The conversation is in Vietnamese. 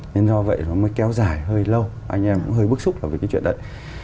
nên do vậy nó mới kéo dài hơi lâu anh em cũng hơi bức xúc là vì cái chuyện đấy